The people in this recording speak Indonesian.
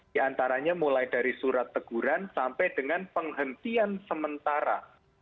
di antaranya mulai dari surat teguran sampai dengan penghentian sementara